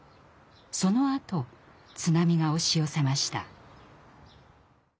そのあと津波が押し寄せました。